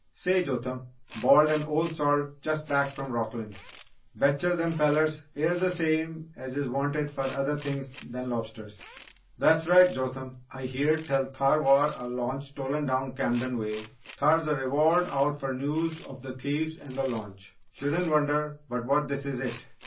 "Say, Jotham!" bawled an old salt just back from Rockland, "Bet'cher them fellers air the same es is wanted fer other things than lobsters!" "That's right, Jotham! I heared tell thar war a launch stolen down Camden way thar's a reward out fer news of the thieves and the launch shoulden' wonder but what this is it!"